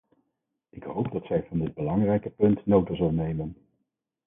Ik hoop dat zij van dit belangrijke punt nota zal nemen.